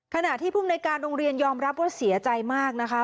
ขณะที่ภูมิในการโรงเรียนยอมรับว่าเสียใจมากนะคะ